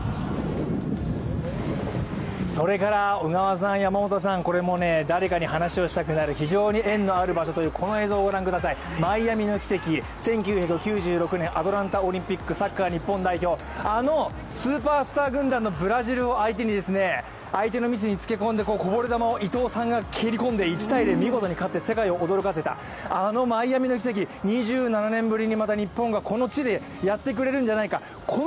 それからこれも誰かに話をしたくなる非常に縁のある場所であるというこの映像をご覧ください、マイアミの奇跡、アトランタオリンピックサッカー日本代表、あのスーパースター軍団のブラジルを相手に相手のミスにつけ込んでこぼれ球を伊東さんが押し込んで１−０、見事に勝って世界を驚かせたあのマイアミの奇跡、２７年ぶりにまた日本がこの地でやってくれるんじゃないか